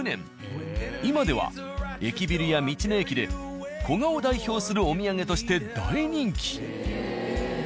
今では駅ビルや道の駅で古河を代表するお土産として大人気。